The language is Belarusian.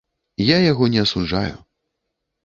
Я яго не асуджаю.